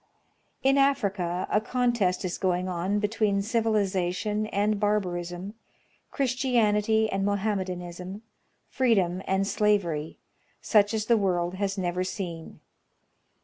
In Africa a contest is going on between civilization and barbarism, Christianity and Mohammedanism, freedom and slav 124: National Geographic Magazine. ery, such as the world has never seen.